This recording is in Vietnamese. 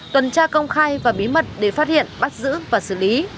tuần tra công khai và bí mật để phát hiện bắt giữ và xử lý